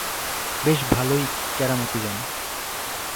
বেশ ভালোই কেরামতি জানো।